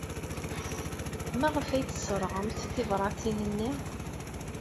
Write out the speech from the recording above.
Maɣef ay tesserɣemt tibṛatin-nni?